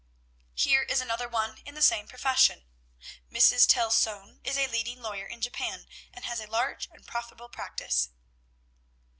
"Here is another one in the same profession: "'Mrs. Tel Sone is a leading lawyer in Japan, and has a large and profitable practice.'